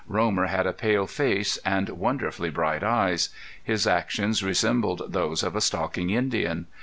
Romer had a pale face and wonderfully bright eyes; his actions resembled those of a stalking Indian.